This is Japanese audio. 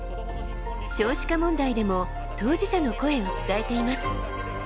少子化問題でも当事者の声を伝えています。